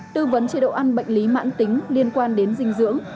tư vấn chế độ ăn bệnh lý mãn tính liên quan đến dinh dưỡng